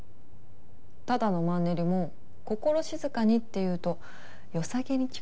ただのマンネリも「心静かに」って言うとよさげに聞こえるなって。